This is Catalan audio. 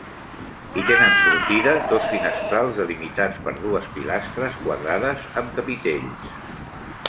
Hi tenen sortida dos finestrals delimitats per dues pilastres quadrades amb capitells.